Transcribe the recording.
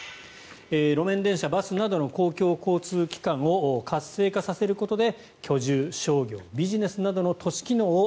路面電車、バスなどの公共交通機関を活性化させることで居住、商業、ビジネスなどの都市機能を